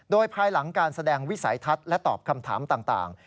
โดยภายหลังการแสดงวิสัยทัศน์และตอบคำถามต่าง